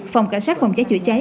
phòng cảnh sát phòng cháy chữa cháy